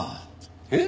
えっ？